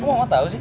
kok mama tau sih